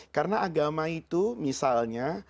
karena agama itu misalnya